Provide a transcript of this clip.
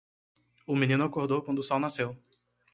O menino acordou quando o sol nasceu.